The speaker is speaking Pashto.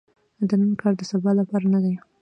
د نن کار د سبا لپاره نه دي .